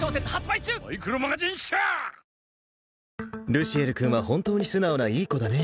ルシエル君は本当に素直ないい子だね